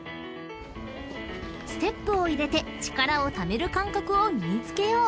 ［ステップを入れて力をためる感覚を身に付けよう］